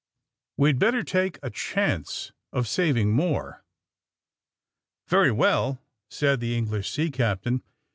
We'd better take a chance of sav ing more.'' ^^Very well," said the English sea captain.